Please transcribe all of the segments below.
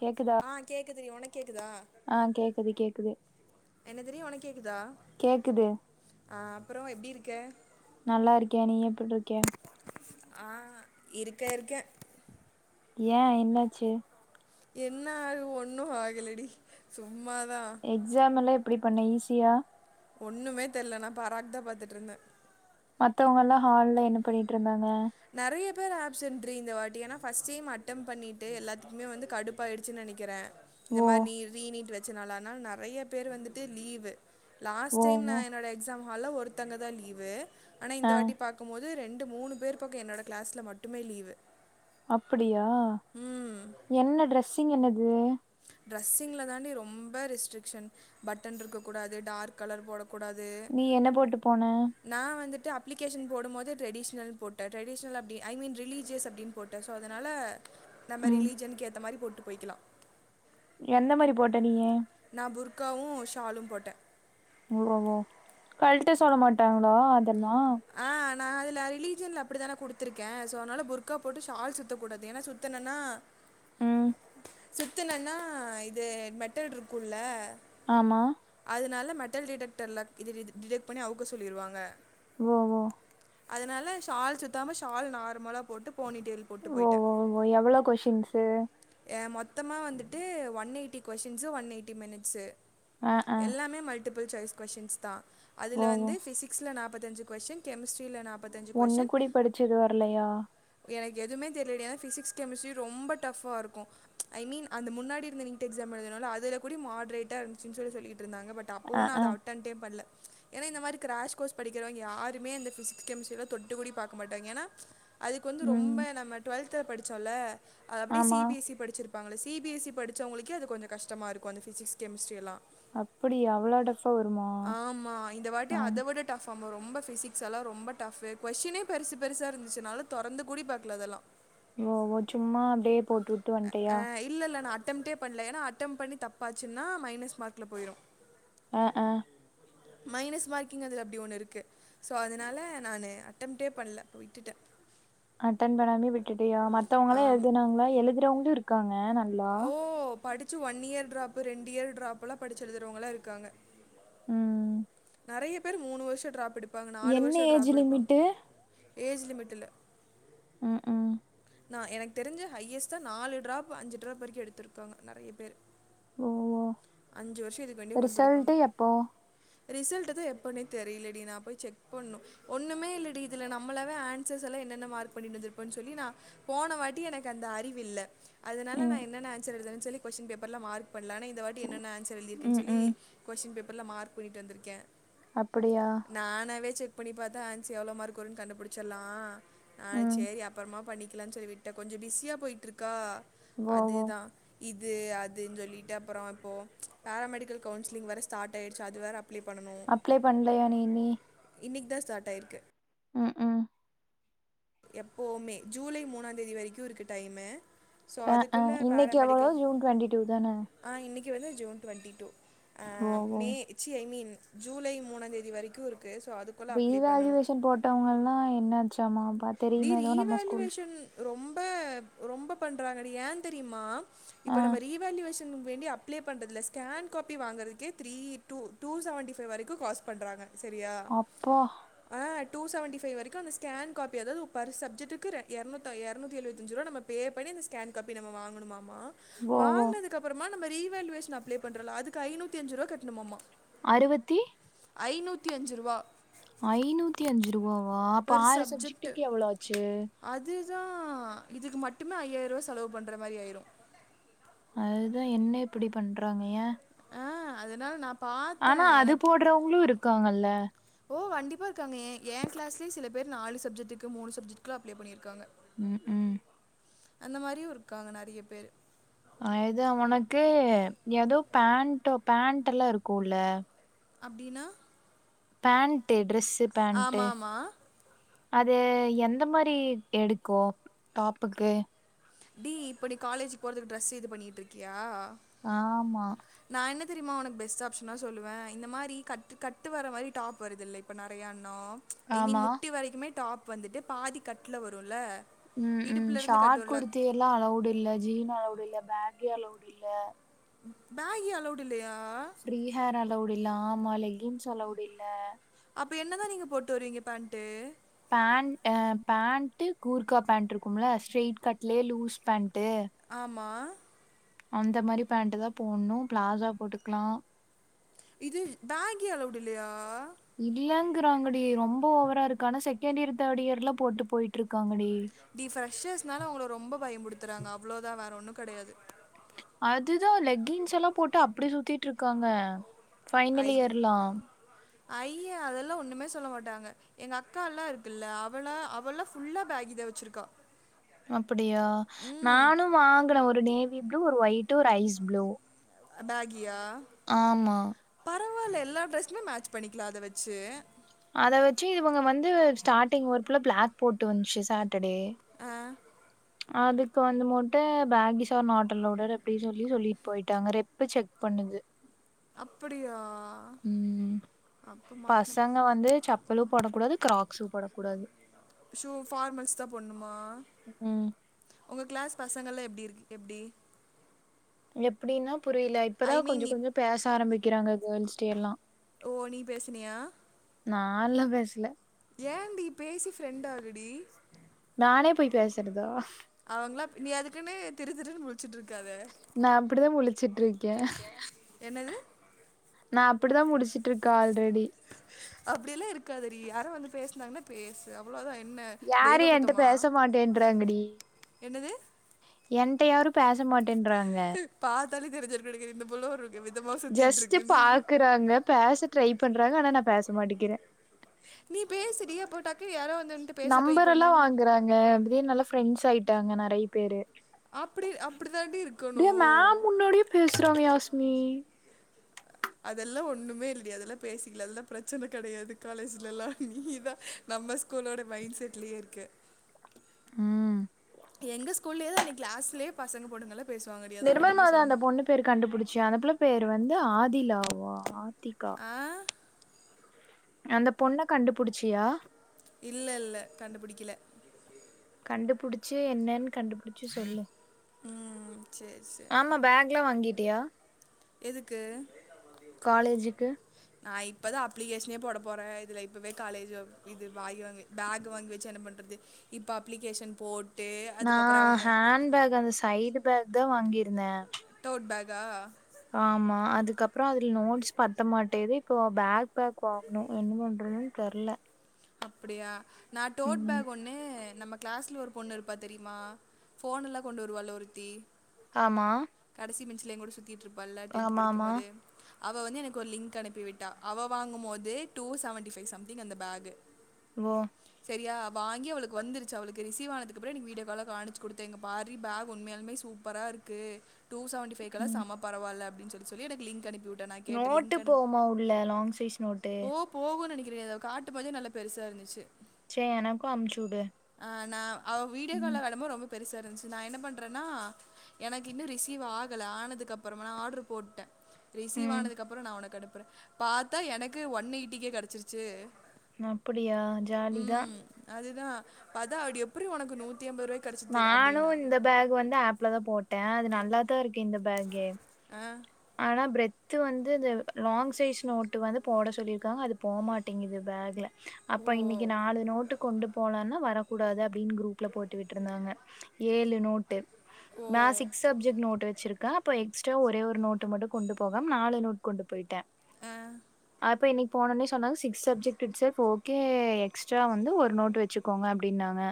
கேக்குதா ஆ கேக்குதுடி உனக்கு கேக்குதா ஆ கேக்குது கேக்குது என்னதுடி உனக்கு கேக்குதா கேக்குது அ அப்பற எப்டி இருக்க எப்புட்ருக்க ஆ இருக்க இருக்க ஏ என்னாச்சு என்ன ஆகு ஒண்ணு ஆகுலடி எக்ஸாம் எல்ல எப் ப்டி பண்ண ஈஸியா ஒன்னுமே தெரியல நான் பாரக்தா பாத்துட்ருந்த மத்தவுங்கல்லா ஹால்ல என்ன பண்ணிட்ருந்தாங்க நறைய பேர் ஆப்சன்ட் ரி இந்த வாட்டி ஏன்னா பஸ்ட் டைம் அட்டெம் பண்ணிட்டு எல்லத்துக்குமே வந்து கடுப்பாயிடுச்சு நெனக்கிற இந்த ஓ மார் நீ ரீ நீட் வ சி நாளான் நாள் நறைய பேர் வந்துட்டு லீவு லாஸ்ட் ஓ டைம் நா ஓ என்னோட எக்ஸாம் அல ஒருத்தங்க தா லீவு ஆனா இந்த ஆ வாட்டி பாக்குபோது ரெண் மூணு பேர் போக்கு என்னோடய க்ளாஸ்ல மட்டுமே லீவு அப்புடியா ம் என்ன ட்ரெஸ்ஸிங் என்னது ட்ரஸிங்கில் தாண்டி ரொம்ப ரெஸ்ட்ரிக்ஷன் பட்டன் இருக்க கூடாது டார்க் கலர் போட நீ என்ன போட்டு போன நான் வந்துட்டு அப்ளிகேஷன் போடமோது ட்ரெடிஷனல்னு போட்டன்டரெடிஷனல் அப்டி ஐ மீ ரிலஜியஸ் அப்டி போட்டன் ஸோ அதுனால நம்ப ம் ரிலீஜன்க் ஏத்த மாரி போட் ட்டு போய்க்லா எந்த மாரி போட்ட நீயு நா புர்காவு ஷாலும் போட்ட ஓ ஓ கழ்ட்ட சொல்ல மாட்டாங்ளா ஆ நா அதுல ரிலீஜியன்ல அப்பிடிதானே குடுத்திருக்கே சோ அனால புர்கா போட்டு ஷால் சுத்தக்கூடாது ஏன்னா சுத்துனன்னா ம் சுத்துனன்னா இது மெட்டல்ருக்குல்லா ஆமா அதுனால மெட்டல் டிடெக்டர்ல இது ரிது டிடெக்ட் பண்ணி அவுக்க சொல்லிருவாங்க ஓ ஓ அதனால ஷால் சுத்தாம ஷால் நார்மலா போட்டு போனிடெய்ல் போட்டு ஓ போய்ட்ட ஓ ஓ எவ்ளோ கொஷின்ஸு ஏ மொத்தமா வந்துட்டு one eighty questions one eighty minutes ஆ ஆ எல்லாமே மல் டிபிள் சாய்ஸ் கொஷின்ஸ்தா அதுல ஓ ஓ வந்து ஃபிசிக்ஸ்ல நாப் பத்தஞ்சு கொஷின் கெமிஸ்ட்ரில நாப் ஒண்ணு கூடி படிச்சது வரலையா எனக்கு எதுமே தெர்லடி ஏனா ஃபிசிக்ஸ் கெமிஸ்ரி ரொம்ப டஃப் ஆ இரு க்கு ஐ மீன் அந்த முன்னாடி இருந்த நீட் எக்ஸாம் எழுதுனோல அதுல கூடி மாட்ரேட்டா இருந்துச்சுன் சொல்லி சொல்லி ட்ருந்தாங்க பட் ஆ அப்புவு நா ஆ அத அட்டன்டே பண்ல ஏனா இந்த மாரி கிராஷ் கோர்ஸ் படிக்கிறவ்ங்க யாருமே இந்த ஃபிஸிக் கெமிஸ்ட்ரில தொட்டு கூடியு பாக்க மாட்டாங்க ஏனா அதுக்கு வந்து ம் ரொம்ப நம்ப டுவல்த் ல படிச்சோல்ல ஆமா பி எஸ் இ படிச்சிருப்பாங்கள சி பி எஸ் இ படிச்சவங்ளுக்கே அது கொஞ்ச கஷ்டமாருக்கு அந்த ஃபிசிக்ஸ் கெமிஸ்ட்ரி எல்லா அப்பிடியா அவ்ளோ டஃப் ஆ வருமா அ ரொம்ப ரொம்ப ஃபிசிக்ஸ் எல்லா ரொம்ப டஃப்ஃபு குவஸ்ஷினே பெருசு பெருசா இருந்துச்சு நாலா தொறந்து கூடி பாக்ல அதல்லா ஓ ஓ சும்மா அப்டியே போட் அ அ இல்லல்ல நா அட்டம்ப்டே பண்ல ஏனா அட்டெம் பண்ணி தப்பாச்சுன்னா மைனஸ் மார்க்ல போயிரு ஆ ஆ மைனஸ் மார்க்கிங் அதுல அப்டி ஒண்ணு இருக்கு சோ அதுனால நானு அட்டம்ட்டே பண்ல விட்டுட்ட அட்டன் பண்ணாமே விட்டுட் அப்டியா மத்தவுங்களே ஆம் எழ்துனாங்ளா எழுத்றவுங்ளுருக் க்காங்க ந ஹலோ ச்சு ஒன் இயர் ட்ராப்பு ரெண்டு இயர் ட்ராப்புலாம் படுச்சு எழுதுறவுங்களா இருக்காங்க ம் நெறய பேரு மூணு வர்ஷ்ஷோ ட்ராப் எடுப் ப்பாங்க நாலு என்ன வர்ஷ்ஷ ஏஜ் ட்ராப் எடுப்பாங்க லிமிட்டு ஏஜ் லிமிட்டில்ல ஏ ஏ நா எனக் தெரிஞ்சி ஹையஸ்ட்டா நாலு ட்ராப்பு அஞ்சி ட்ராப் வரிக்கு எடுத்துருக்காங்க நெறயப் பேரு ஒ ஓ அஞ்சு வர்ஷோ இதுக் வேண்டியே உக்காந் ரிசல்ட்டு படிப்பாங்க எப்போ ரிசல்ட்டு தா எப்பனே தெரிய்லடி நா போய் செக் பண்ணோ ஒண்ணுமே இல்லடி இதுல நம்மளாவே ஆன்சர்ஸ் எல்லா என்னென்ன மார்க் பண்ணின்ந்ருப்போன் சொல்லி நா போன வாட்டி எனக் அந்த அறிவில்ல அதனால நா ம் என்னென்ன ஆன்ஸர் எழுதன சொல்லி கொஸ்டின் பேப்பர்ல மார்க் பண்ல ஆனா இன் என்னென்ன ஆன்ஸர் எழ்திருக்கேன் ம் சொல்லி ம் கொஸ்ஸின் பேப்பர் ல்ல மார்க் பண்ணிட்டு வந்துருக்கே அப்படியா நானாவே செக் பண்ணிப் பாத்தா ஆன்ஸ் எவ்ளோ மார்க்கு வருன் கண்டுபுடுச்சிட்லா ஆ ம் சேரி அப்றமா பண்ணி கிலான் சொல்லி விட்ட கொஞ்ச பிஸ்ஸியா போய்ட்ருக்கா ஓ அது ஓ தா இத் இது அதுன் சொல்லிட்டு அப்பறோ ஓ பேராமெடிக்கில் கவுன்ஸ்லிங் வேற ஸ்டாட் ஆயிடுச்சா அது வேற அப் அப்ளே பண்லயா நீ நீ இன்னிக்கு தா ஸ்டாட்டாயிர்க்கு உம் உம் எப்போவுமே ஜூலை மூணாந் தேதி வரிக்குருக்கு டைமூ ஆ ஆ இன்னிக் எவ்வளோ ஜூன் டுவொண்ட்டி டூ தான னிக்கு வந்து ஜூன் டுவொண்ட்டி டூ ஆ ஓ ஓ மே ச்சி ஐ மீன் ஜூலை மூணாந் தேதி வரிக்கூ இருக் ரீவேல்யுவேஷன் போட்டவங்கல்லா என்னாச்சாமா ம் ப்பா டி தெரியுமே எதோ நம்ம ஸ்கூல் ரீவேல்யூவேஷன் ரொம்ப ரொம்ப பண்றாங்கடி ஏன் தெரிமா இப்ப ஆ நம்ப ரீவேல்யுவேஷன் வேண்டி அப்ளை பண்றதுல ஸ்கேன் காபி வாங்கறதுக்கே three two two seventy five வரைக்கும் காஸ்ட் பண்றாங்க சரியா அப்பா ஆஹ் டூ செவன்டி ஃபை வரைக்கும் அந்த ஸ்கேன் காப்பி அதாவது பர் சப்ஜெட்க்கு ரெண் எர்நூத்தா எர்நூத்தி எழுபத்தஞ்சு ரூபா நம்ம பே பண்ணி இந்த ஸ்கேன் காப்பி நம்ம வாங்கணும்மமா ஓ ஓ வாங்னதுக்கு அப்புறமா நம்ம ரீவேல்யேஷன் அப்ளை பன்றேன் இல்ல அதுக்கு ஐநூத்தி அஞ்சு ரூவா கட்ணுமாம அறுவத்தி ஐநூத்தி அஞ்சு ரூவா ஐநூத்தி அஞ்சு ரூவா ஓ அப்ப பர் ஆறு சப்ஜெக்ட்டுக்கு எவ்ளோ ஆச்சு தான் இதுக்கு மட்டுமே ஐயாயிரம் ரூவா செலவு பண்ற மாரி ஆயிரும் அதுதா என்ன இப்படி பண்றாங்க ஏன் ஆஹ் அதனால நாப் ஆனா அது போட்றவங்களும் இருக்காங்கல்ல ப்ப இருக்காங்க ஏன் ஏன் கிாஸ்லே சில பேர் நாலூ சப்ஜெட்டுக்கும் மூணூ சப்ஜெக்டுக்கு அப்ளை பண்ணியிருக்காங்க ம் ஹும் அந்த மாதிரியும் இருக்காங்க நறைய பேரு ஆயத்தா உனக்கு ஏதோ பேண்டோ பேண்டுல்லாம் இருக்குல்ல அப்டின்னா பேண்டு ட்ரெஸ் ஆமாம்மா அது எந்தமாரி எடுக்கும் டாப்புக்கு டி இப்ப நீ காலேஜிக்கி போறதுக்கு டிரெஸ் இது பண்ணிட்டு இருக்கியா ஆம்மா நா என்ன தெரியுமா உனக் பெஸ்ட் ஆப்ஷனா சொல்லுவேன் இந்த மாதிரி கட் கட்டு வர மாதிரி டாப் வருதுல்ல இப்ப நறையா [unintelligible] ஐ மீன் ஆமா முட்டி வரைக்குமே டாப் இப்ப வந்துட்டு பாதி கட்ல் வரும்ல உம் உம் ஷார்ட் குர்த்தி எல்லாம் அளவுட் இல்ல ஜீன் அளவுடு இல்ல பேக்கே அளவுடு இல்ல பேக்யே அளவுடு இல்லயா ஃப்ரீ ஹேர் அலௌடு இல்ல ஆமா லெக்கின்ஸ் அளவ்டு இல்ல அப்ப என்னதா நீங்க போட்டு வருவீங்க பேண்ட்டு பேண்ட் அஹ் பேண்டு கூர்கா பேண்ட் இருக்கும்ல்ல ஸ்ட்ரரைட் கட்லயே லூஸ் பேண்ட் ஆம்மா அந்த மாரி பேன்ட் தான் போட்டணும் பிளாசா போட்டுக்கலாம் இது பேகி அளவுடு இல்லயா இருக்குறாங்டி ரொம்ப ஓவரா இருக்கு ஆனா செகண்ட் இயர் தேர்ட் இயர்லாம் போட்டு போயிட் இருக்காங்கடி நீ ஃபிர்ஷர்ஷ்னால உங்கள ரொம்ப பயம்படுத்துறாங்க அவ்ளோதா வேற ஒன்னும் கிடையாது அதுதான் லெக்கின்ஸ்லாம் போட்டு அப்டி சுத்திட்டு இருக்காங்க ஐ ஃபைனல் இயர்லா ஐய அதெல்லா ஒண்ணுமே சொல்ல மாட்டாங்க எங்க அக்கால்லா இருக்குல்ல அவள அவல்லா ஃபுல்லா பேக் இத வெச்சிருக்கா அப்படியா நானு வாங்கற ஒரு நே ப்ளூ ஒரு ஒயிட்டு ஒரு ஐஸ் ப்ளூ பேக் ஆமா பரவால்ல எல்லா ட்ரெஸ்மே மேட்ச் பண்ணிக்கலா அத வெச்சு அத வெச்சு இவங்க வந்து ஸ்டார்டிங் ஒர்க்ல பிளாக் போட்டு வந்துச்சு சா அடடே ஆ அதுக்கு வந்து மோட்டு பேகீஸ் ஆர் நாட் ஆலோடட் அப்டி சொல்லி சொல்லிட்டு போயிட்டாங்க ரெப்பு செக் பண்ணுது அப்படியா உம் அப்போ மாட்டினேன் பசங்க வந்து சப் பளும் போடகூடாது கிராக்ஸு போடக்கூடாது ஷூ பார்மல்ஸ் தா போட்னுமா ம் உங்க கிளாஸ் பசங்கள்லா எப்படி இருக்கு எப்படி எப்டின்னா புரியல இப்பதா ஐ மீன் கொஞ்சொ நீ கொஞ்சொ பேச ஆரம்பிக் கிறாங்க கேர்ள்ஸ்ட எல்லா ஓ நீ பேசினியா நான்லா பேசல ஏன்டி பேசி ஃப்ரெண்டாகுடி நானே போய் பேசுறதா அவங்களா நீ அதுக்குன்னு திரு திருன்னு முழிச்சுட்டு இருக்காத நா அப்படிதா முளிச்சுட்ருக்கே என்னது நா அப்டிதா முழிச்சிட்ருக்கே ஆல்ரெடி அப்படியெல்லா இருக்காதடி யாராவது வந்து பேசுனாங்கன்னா பேசு அவ்ளோதா என்ன யாரு தெய்வ என்ட்ட குத்தமா பேச மாட்டேன்றாங்கடி என்னது என்ட்ட யாரு பேச மாட் டேன்றாங்க த்தாளே தெரிஞ்சிருக்கும் இந்தப் புள்ள ஒரு விதமா சுத்திட்டு ஜஸ்ட் இருக்குன்னு பாக்குறாங்க பேச ட்ரை பண்றாங்க ஆனா நா பேச மாட்டிக்கிறே நீ பேசுடி அப்போ டக் நம்பர் எல்லா வாங்குறாங்க அப்டியே நல்லா ஃப்ரெண்ட்ஸ் ஆயிட்டாங்க நறைய பேரு அப்டி அப்டிதாண்டி இருக்கணு அப்படியே மேம் முன்னாடியே பேசுறாங் யாஸ்மி அதெல்லா ஒண்ணுமே இல்லடி அதெல்லா பேசிக்கலா அதல்லா பிரச்சன கெடையாது காலேஜ்ல எல்லா நீதா நம்ம ஸ்கூலோட மைண்ட் செட்லயே இருக்க உம் எங்க ஸ்கூலேயே அந்த கிளாஸ்லயே பசங்க போட்டுங்கல நிர்மல் மாதா அந்த பொண்ணு பேர் கண்டுபிடிச்சுச அந்தப்புள்ள பேர் வந்து ஆத் திலாவா ஆத் திக்கா ஆ அந்த பொண்ண கண்டுபுடிச்சியா இல்லல்ல கண்டுபுடிக்கல கண்டுபுடுச்சி என்னன் கண்டுபுடுச்சி சொல்லு ம் சேரி சேரி ஆமா பேக்லா வாங்கி டியா எதுக்கு காலேஜுக்கு நா இப்ப தா அப்ளிகேஷனே போட போறே இதுல இப்போவே காலேஜு அவ் இது‌ வாய் வாங் பேக் வாங்கி வச்சு என்ன பண்றது இப்ப அப்ளிகேஷன் போட் நா ஹேண்ட் பேக் அந்த சைடு பேக் தா வாங்கிருக் இன தோட் பேகா ஆமா அதுக்கப்றோ அதுல் நோட்ஸ் பத்த மாட்டேகுது இப்போ பேக் பேக் வாங்கணூ என்ன பண்றதுன் தெர்ல அப்டியா நா டோட் ம் பேக் ஒன்னு நம்ம கிளாஸ்ல ஒரு பொண்ணுருப்பா தெரியுமா ஃபோன் எல்லா கொண்டு வருவால்ல ஒருத்தி ஆமா சி பெஞ்சுல எங்கூட சுத் திட்ருப்பால்ல டென்த் ஆமா ஆமா படிக்கும்போது அவ வந்து எனக்கு ஒரு லிங்க் அனுப்பிவிட்டா அவ வாங்கும்போது டூ செவன்டி ஃபை சம்திங் அந்த பேகு ஓ சரியா வாங்கி அவளுக்கு வந்துருச்சு அவளுக்கு ரிசீவ் ஆனதுக்கப்றோ எனக்கு வீடியோகால்ல காணிச்சு குடுத்தா இங்க பார்ரி பேக் உண்மையாலுமே சூப்பராருக்கு டூ செவன்டி ஃபைக்குலா ம் செம பரவால்ல அப்டின்னு சொல்லி சொல்லி எனக்கு லிங்க் அனுப்பி விட் நோட்டு போமா உள்ள லாங் சைஸ் நோட்டு தெரியாதா காட்டும் போதே நல்ல பெருசா இருந்துச்சு சே எனக்கூ அம்சுவுடு ஆனா அவ வீடியோ கால்ல வரம்போ ரொம்ப பெருசா இருந்துச்சி நா என்ன பண்றன்னா எனக்கு இன்னூ ரிசீவ் ஆகல ஆனதுக்கப்றமா நா ஆடர்ரு போட்டே ரிசீவ் ம் ஆனதுக்கப்றோ நா உனக்கு அனுப் அப்ற பாத்தா எனக்கு ஒன் ஏய்ட்டிக்கே கெடச்சிருச்சு அப்டியா ஜாலிதா தா அதா அது எப்பிட்ரி ஒனக்கு நூத் நானு இந்த பேக் வந்து அப்ல தா‌ போட்ட அது நல் ல்லா தா இருக்கு இந்த பேகே ஆ ஆனா ப்ரத் வந்து இந்த லாங் சைஸ் நோட்டு வந்து போட சொல்லிருக்காங்க அது போமாட்டேங்குது பேக்ல அப்ப ஓ இன்னைக்கி நாலு நோட்டு கொண்டுப் போனான்னா வரக்கூடாது அப்டின் குரூப்புல போட்டு விட்ருந்தாங்க ஏழு நோட்டு ஓ நா சிக்ஸ் சப்ஜெக்ட் நோட் வச்சிருக்க இப்ப எக்ஸ்டரா ஒரே ஒரு நோட் ட்டு மட்டு கொண்டுப்போகம் நாலு நோட் கொண்டுப்போய்ட்ட அ அப்ப இன்னைக் போனோன்னே சொன்னாங்க six subject it's self okay extra வந்து ஒரு நோட் வச்சுக்கோங்க அப்டினாங்க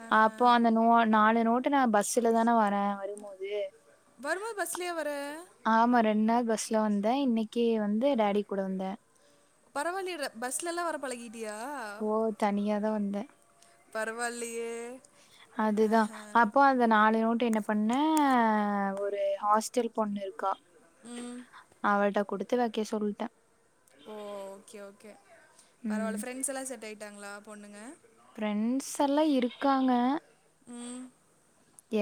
ஆ அப்போ அந்த நோ நாலு நோட் டு நா பஸ்ல தான வார வரும்போது வரும் போது பஸ்லியா வர ஆமா ரெண்டு நாள் பஸ்ல வந்த இன்னைக்கி வந்து டாடிக்கூட வந்த பரவால்லயே ரா பஸ்லல்லா வரப் பழகிக் ஓ தனியா தா வந்த பரவாயில்லியே அதுதா அப்போ அந்த நாலு நோட் டு என்ன பண்ண ஒரு ஹாஸ்டல் பொண்ணு இருக்கா ம் அவள்ட்ட குடுத்து வைக்க சொல்ட்ட ஓ ஓகே ஓகே பரவால்ல ப்ரெண்ட்ஸ்ஸெல்லா செட் ஆய் ட்டாங்களா பொண்ணுங்க ப்ரெண்ட்ஸ் எல்லா இருக்காங்க ம்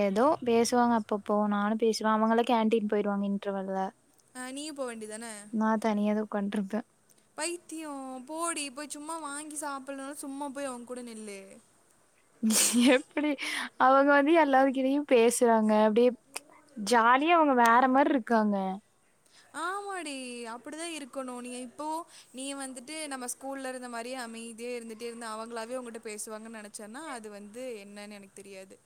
ஏதோ பேசுவாங்க அப்பப்போ நானு பேசுவ அவங்களா கேன்டீன் போய்டுவாங்க இன்டர்வெல்ல அ நீயு நா தனியா உக்காண்ட்ருப்ப பைத்தியோ போடி போய் சும்மா வாங்கி சாப்புட்லனாலு சும்மா போய் அவங்க கூட நில்லு எப்டி அவங்க வந்து எல்லாருக்கிட்டயு பேசுறாங்க அப்டியே ஜாலியா அவங்க வேற மாரி இருக்காங்க ஆமாடி அப்டிதா இருக்கணு நீ இப்போ நீ வந்துட்டு நம்ம ஸ்கூல்ல இருந்த மாரியே அமைதியே இருந்துட்டே இருந்தா அவங்களாவே உங்கிட்ட பேசுவாங்கன்னு நனச்சன்னா அது வந்து என்னன்னு எனக்கு தெரியாது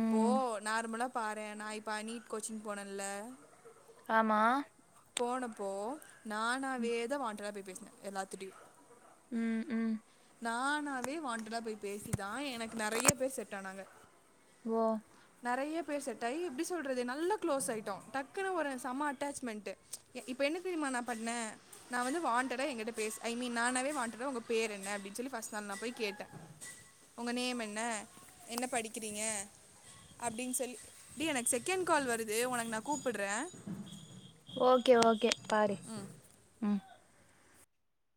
இப்போ நார்மலா பாரே நா இப்ப நீட் கோச்சிங் போனல ஆமா போனப்போ நானாவே தா வான்ட்டடா போய் பேசின எல்லாத்துட்டியு ம் ம் நானாவே வான்ட்டடா போய் பேசி தா எனக்கு நெறைய பேர் செட் ஆனாங்க ஓ நெறைய பேர் செட் ஆயி எப்டி சொல்றது நல்லா க்ளோஸ் ஆயிட்டோ டக்குன்னு ஒரு செம அட்டாச்மெண்ட்டு இப்போ என்ன தெரியுமா நா பண்ண நா வந்து வான்ட்டா என்கிட்ட பேச ஐ மீன் நானாவே வான்ட்டா உங்க பேர் என்ன அப்டின்னு சொல்லி ஃபர்ஸ்ட் நாள் நா போய் கேட்ட உங்க நேம் என்ன என்ன படிக்கிறீங்க அப்டின்னு சொல்லி டேய் எனக்கு செகண்ட் கால் வருது உனக்கு நா கூப்பிட்ற ஓகே ஓகே பாரு ம்